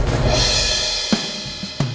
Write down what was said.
susah ya bentar